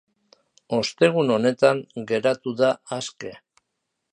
Ostegun honetan geratu da aske.